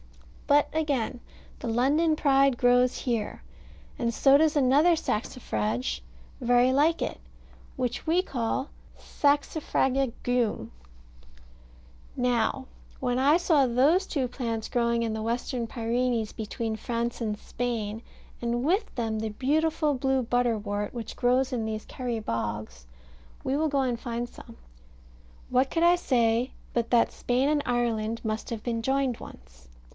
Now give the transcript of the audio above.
But again the London Pride grows here, and so does another saxifrage very like it, which we call Saxifraga Geum. Now, when I saw those two plants growing in the Western Pyrenees, between France and Spain, and with them the beautiful blue butterwort, which grows in these Kerry bogs we will go and find some what could I say but that Spain and Ireland must have been joined once?